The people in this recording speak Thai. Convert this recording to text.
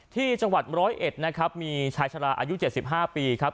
ที่จังหวัดร้อยเอ็ดนะครับมีชายชะลาอายุ๗๕ปีครับ